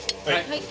はい。